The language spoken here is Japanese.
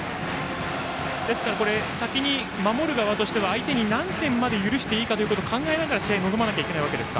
ですから、先に守る側としては相手に何点まで許していいかということを考えながら試合に臨まなければいけないわけですか。